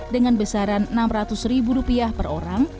dengan besaran rp enam ratus per orang